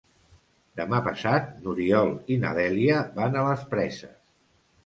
Demà passat n'Oriol i na Dèlia van a les Preses.